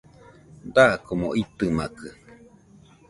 Dakomo itɨmakɨ